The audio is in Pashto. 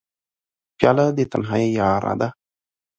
پیاله د تنهایۍ یاره ده.